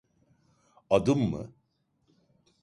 Adım mı?